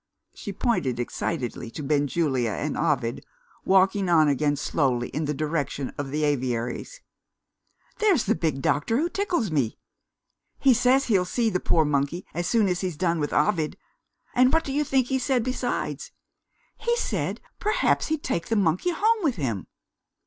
She pointed excitedly to Benjulia and Ovid, walking on again slowly in the direction of the aviaries. "There's the big doctor who tickles me! He says he'll see the poor monkey, as soon as he's done with Ovid. And what do you think he said besides? He said perhaps he'd take the monkey home with him."